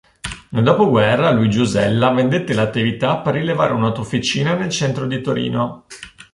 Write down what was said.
Nel dopoguerra Luigi Osella vendette le attività per rilevare un'autofficina nel centro di Torino.